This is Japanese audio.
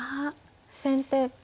先手